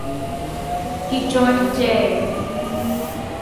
He joined J.